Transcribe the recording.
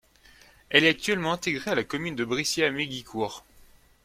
Elle est actuellement intégrée à la commune de Brissy-Hamégicourt.